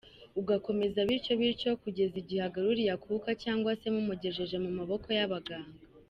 Ugakomeza bityo bityo kugeze igihe agaruriye akuka cyangwa se mumugereje mu maboko y’abaganga.